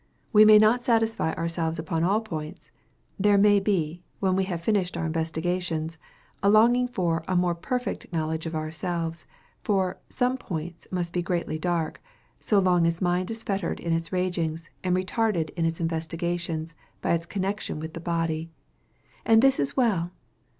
We may not satisfy ourselves upon all points. There may be, when we have finished our investigations, a longing for a more perfect knowledge of ourselves; for "some points must be greatly dark," so long as mind is fettered in its rangings, and retarded in its investigations by its connection with the body. And this is well.